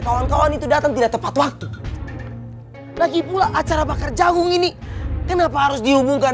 kawan kawan itu datang tidak tepat waktu lagi pula acara bakar jagung ini kenapa harus dihubungkan